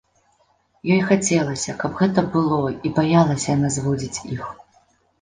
Ёй хацелася, каб гэта было, і баялася яна зводзіць іх.